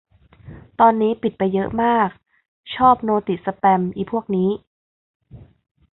ตอนนี้ปิดไปเยอะมาก ชอบโนติสแปม อิพวกนี้